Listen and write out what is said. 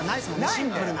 シンプルな。